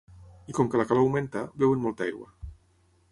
I com que la calor augmenta, beuen molta aigua.